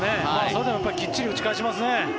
それでもきっちり打ち返しますね。